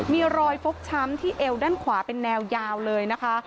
มีรอยฟกช้ำที่เอวด้านขวาเป็นแนวยาวเลยนะคะ